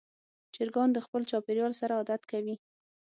چرګان د خپل چاپېریال سره عادت کوي.